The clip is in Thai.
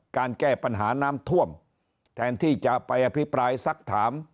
แก้ปัญหาน้ำท่วมแทนที่จะไปอภิปรายสักถาม